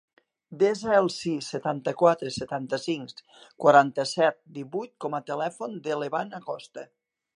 Desa el sis, setanta-quatre, setanta-cinc, quaranta-set, divuit com a telèfon de l'Evan Acosta.